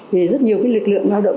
vì rất nhiều lực lượng lao động